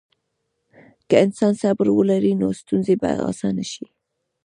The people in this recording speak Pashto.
که انسان صبر ولري، نو ستونزې به اسانه شي.